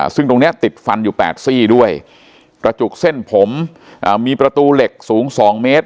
ซึ่งตรงนี้ติดฟันอยู่๘ซี่ด้วยกระจุกเส้นผมมีประตูเหล็กสูง๒เมตร